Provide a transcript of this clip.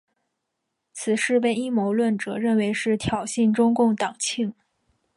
此事被阴谋论者认为是挑衅中共党庆。